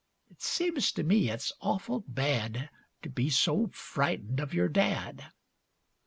It seems to me it's awful bad To be so frightened of your dad.